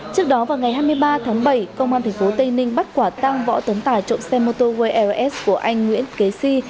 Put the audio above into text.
trước đó vào ngày hai mươi ba tháng bảy công an thành phố tây ninh bắt quả tang võ tấn tài trộm xe mô tô vls của anh nguyễn kế si